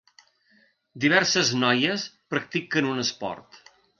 Diverses noies practiquen un esport.